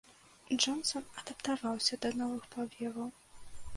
Джонсан адаптаваўся да новых павеваў.